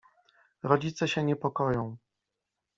Rodzice się niepokoją.